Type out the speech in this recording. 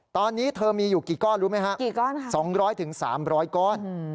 ตอนนี้เธอมีอยู่กี่ก้อนรู้ไหมฮะอสองร้อยถึงสามร้อยก้อน